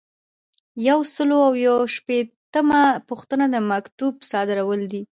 یو سل او شپیتمه پوښتنه د مکتوب صادرول دي.